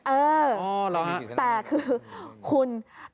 เออแต่คือคุณอรับ